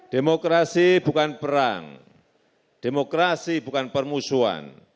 demokrasi bukan perang demokrasi bukan permusuhan